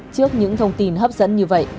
trước những thông tin hấp dẫn như vậy